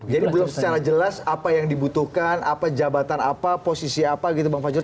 jadi belum secara jelas apa yang dibutuhkan apa jabatan apa posisi apa gitu bang fajro